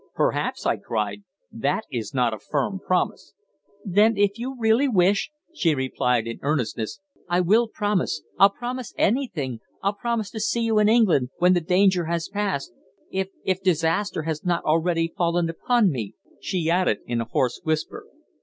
"Perhaps!" I cried. "That is not a firm promise." "Then, if you really wish," she replied in earnestness, "I will promise. I'll promise anything. I'll promise to see you in England when the danger has passed, if if disaster has not already fallen upon me," she added in a hoarse whisper.